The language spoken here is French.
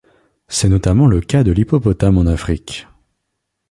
C'est notamment le cas de l'hippopotame en Afrique.